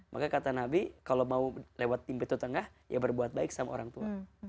maka kata nabi kalau mau lewat pintu tengah ya berbuat baik sama orang tua